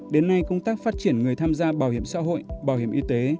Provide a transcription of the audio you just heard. đến nay công tác phát triển người tham gia bảo hiểm xã hội bảo hiểm y tế